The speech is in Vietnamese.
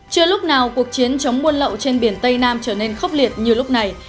chưa lúc nào cuộc chiến chống buôn lậu trên biển tây nam trở nên khốc liệt như lúc này